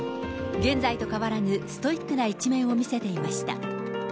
現在と変わらぬストイックな一面を見せていました。